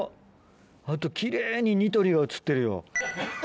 あと奇麗にニトリが映ってるよ。